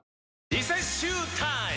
リセッシュータイム！